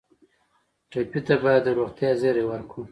ټپي ته باید د روغتیا زېری ورکړو.